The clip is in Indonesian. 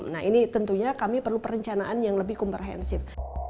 nah ini tentunya kami perlu perencanaan yang lebih komprehensif